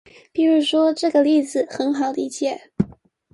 譬如說，這個例子很好理解